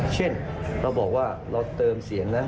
เช่นเราบอกว่าเราเติมเสียงนะ